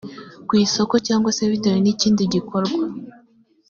ku isoko cyangwa s bitewe n ikindi gikorwa